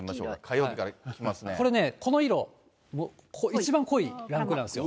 これね、この色、一番濃いランクなんですよ。